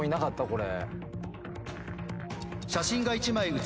これ。